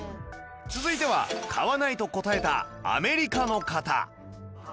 続いては「買わない」と答えたアメリカの方